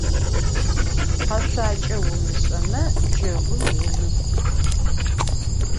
Kheşsuaç'e vumış'ereme, cegum vumık'u.